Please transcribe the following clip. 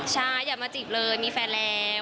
ใช่อย่ามาจีบเลยมีแฟนแล้ว